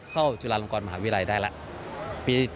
เข้าจุลาลงกรมหาวิรัยได้แล้ว